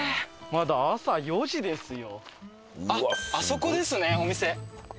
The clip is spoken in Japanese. まだ朝４時ですよ。